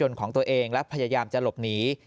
เฉลห์รถยนต์ของตัวเองและพยายามจะหลบหนี